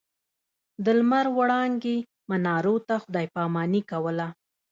د لمر وړانګې منارو ته خداې پا ماني کوله.